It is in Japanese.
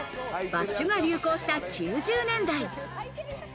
バッシュが流行した９０年代。